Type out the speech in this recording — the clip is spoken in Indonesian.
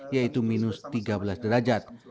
yaitu minus tiga belas derajat